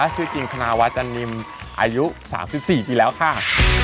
ชื่อจริงพนาววจนิมอายุสามสิบสี่ปีแล้วค่ะ